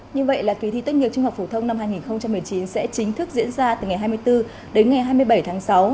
như vậy là kỳ thi tốt nghiệp trung học phổ thông năm hai nghìn một mươi chín sẽ chính thức diễn ra từ ngày hai mươi bốn đến ngày hai mươi bảy tháng sáu